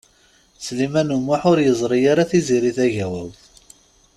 Sliman U Muḥ ur yeẓri ara Tiziri Tagawawt.